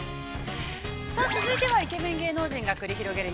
◆さあ、続いては、イケメン芸能人が繰り広げる